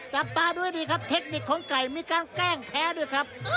จับตาด้วยดีครับเทคนิคของไก่มีการแกล้งแพ้ด้วยครับ